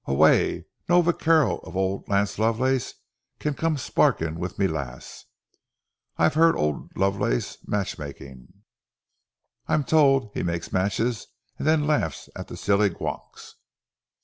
Aweel, no vaquero of auld Lance Lovelace can come sparkin' wi' ma lass. I've heard o' auld Lovelace's matchmaking. I'm told he mak's matches and then laughs at the silly gowks.